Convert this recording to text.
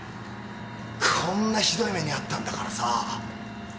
こんなひどい目にあったんだからさ。